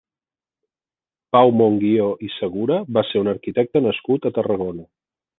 Pau Monguió i Segura va ser un arquitecte nascut a Tarragona.